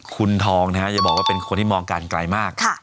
คุณทองนะฮะอย่าบอกว่าเป็นคนที่มองกันไกลมาก